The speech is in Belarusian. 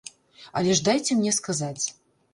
Але ж дайце мне сказаць.